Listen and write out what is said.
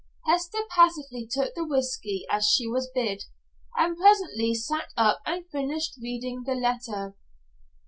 Hester passively took the whisky as she was bid, and presently sat up and finished reading the letter.